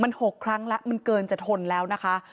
มัน๖ครั้งแล้วมันเกินจะทนแล้วนะคะ